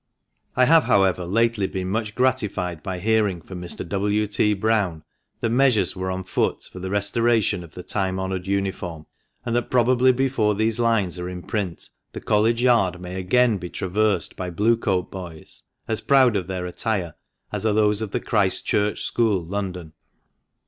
I have, however, lately been much gratified by hearing from Mr. W. T. Browne that measures were on foot for the restoration of the time honoured uniform, and that probably before these lines are in print the College yard may be again traversed by Blue coat boys, as proud of their attire as are those of Christ Church School, London.